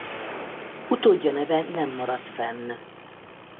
Utódja neve nem maradt fenn.